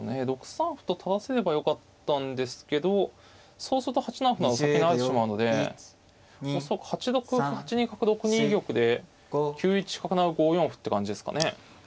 ６三歩と垂らせればよかったんですけどそうすると８七歩成先成られてしまうので恐らく８六歩８二角６二玉で９一角成５四歩って感じですかね。